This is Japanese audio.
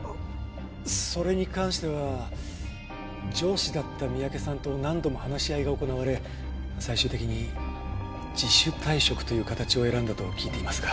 それに関しては上司だった三宅さんと何度も話し合いが行われ最終的に自主退職という形を選んだと聞いていますが。